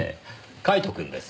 カイトくんです。